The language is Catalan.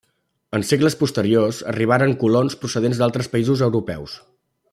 En segles posteriors arribaren colons procedents d'altres països europeus.